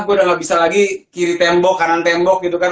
aku udah gak bisa lagi kiri tembok kanan tembok gitu kan